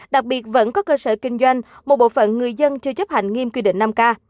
đặc biệt vẫn có cơ sở kinh doanh một bộ phận người dân chưa chấp hành nghiêm quy định năm k